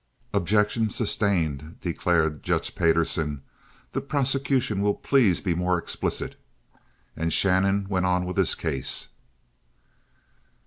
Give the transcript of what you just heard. "Objection sustained," declared Judge Payderson, "the prosecution will please be more explicit"; and Shannon went on with his case.